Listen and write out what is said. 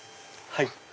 はい。